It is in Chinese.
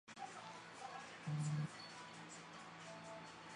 我的孙子总在你广播时打开收音机调整音节。